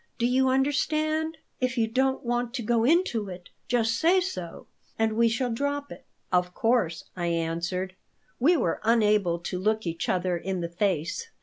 Do you understand? If you don't want to go into it, just say so, and we shall drop it." "Of course," I answered We were unable to look each other in the face.